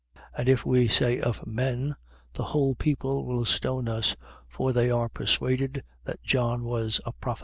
20:6. But if we say, of men: the whole people will stone us. For they are persuaded that John was a prophet.